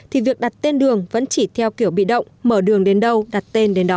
thì việc đặt tên đường vẫn chỉ theo kiểu bị động mở đường đến đâu đặt tên đến đó